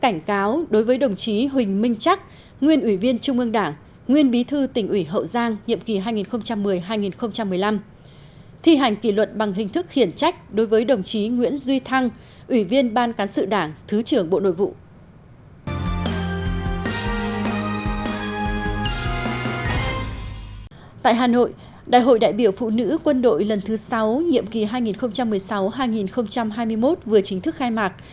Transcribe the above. nhiệm kỳ hai nghìn một mươi sáu hai nghìn hai mươi một vừa chính thức khai mạc